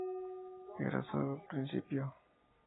Era sólo el principio.